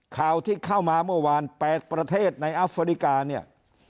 ข่าวที่เข้ามาเมื่อวาน๘ประเทศในอัฟริกาเนี่ย